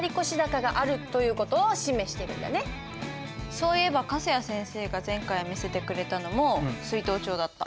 そういえば粕谷先生が前回見せてくれたのも出納帳だった。